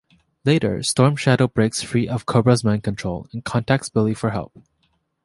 Later, Storm Shadow breaks free of Cobra's mind control, and contacts Billy for help.